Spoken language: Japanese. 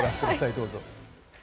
どうぞ。